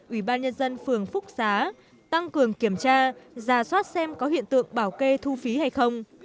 ubnd tp phương phúc xá tăng cường kiểm tra giả soát xem có hiện tượng bảo kê thu phí hay không